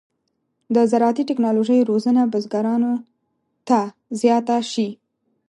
د زراعتي تکنالوژۍ روزنه بزګرانو ته زیاته شي.